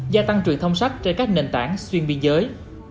gia tăng truyền thông sách trên các nền tảng xuyên biên giới